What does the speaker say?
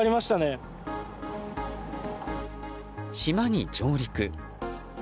島に上陸。